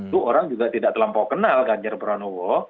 dua orang juga tidak terlampau kenal ganjar prabowo